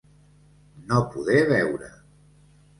No poder veure.